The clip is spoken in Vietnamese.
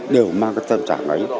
đều mang cái tâm trạng ấy